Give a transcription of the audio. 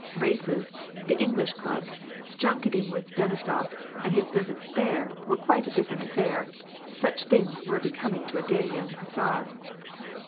Races, the lish club, junketing with Denisof, and visits there were q a different affair \ such things were becoming to a gay yo hussar